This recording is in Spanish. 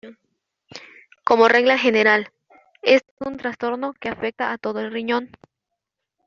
Como regla general, este es un trastorno que afecta a todo el riñón.